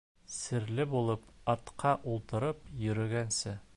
Сирле булып атҡа ултырып йөрөгәнсе